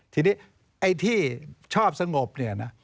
ทีนี้ไอ้ที่ชอบสงบเนี่ยนะ